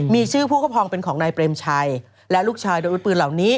มีชื่อผู้ครอบครองเป็นของนายเปรมชัยและลูกชายโดยวุฒิปืนเหล่านี้